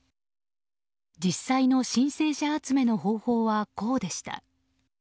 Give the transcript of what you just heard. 実際の申請者集めの方法はこうでした。